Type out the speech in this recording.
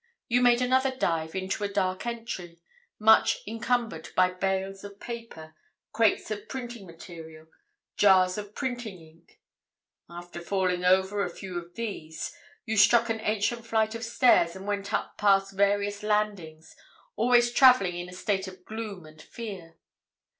You made another dive into a dark entry, much encumbered by bales of paper, crates of printing material, jars of printing ink; after falling over a few of these you struck an ancient flight of stairs and went up past various landings, always travelling in a state of gloom and fear.